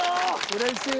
うれしい。